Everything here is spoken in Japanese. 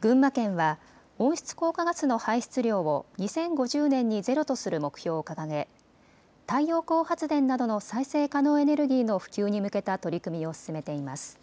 群馬県は温室効果ガスの排出量を２０５０年にゼロとする目標を掲げ太陽光発電などの再生可能エネルギーの普及に向けた取り組みを進めています。